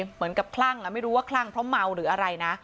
เหมือนกับคลั่งไม่รู้ว่าคลั่งเพราะเมาหรืออะไรนะ